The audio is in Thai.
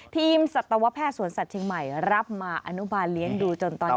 สัตวแพทย์สวนสัตว์เชียงใหม่รับมาอนุบาลเลี้ยงดูจนตอนนี้